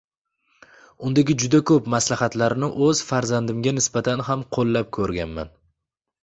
Undagi juda koʻp maslahatlarni oʻz farzandimga nisbatan ham qoʻllab koʻrganman.